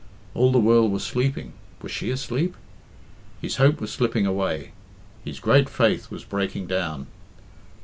All the world was sleeping was she asleep? His hope was slipping away; his great faith was breaking down.